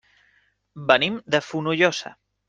Venim de Fonollosa.